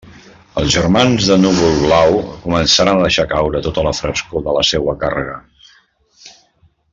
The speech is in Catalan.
Els germans de Núvol-Blau començaren a deixar caure tota la frescor de la seua càrrega.